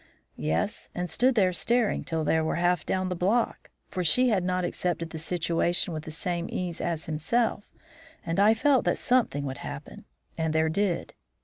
"Yes, and stood there staring till they were half down the block, for she had not accepted the situation with the same ease as himself, and I felt that something would happen. And there did.